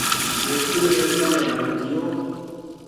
بیٹکی نے ایک دم اعلان کیو